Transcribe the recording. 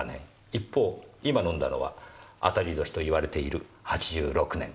一方今飲んだのは当たり年といわれている８６年。